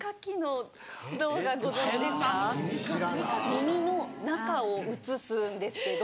耳の中を映すんですけど。